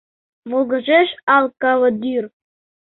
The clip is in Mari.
Волгыжеш ал кавадӱр.